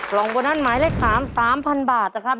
กล่องโบนัสหมายเลข๓๓๐๐บาทนะครับ